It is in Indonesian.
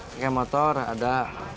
pakai motor ada